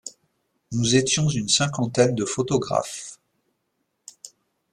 Nous étions une cinquantaine de photographes.